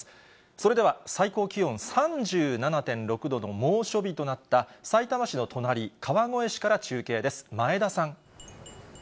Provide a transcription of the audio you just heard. それでは最高気温３７．６度の猛暑日となった、さいたま市の隣、川越市から中継です。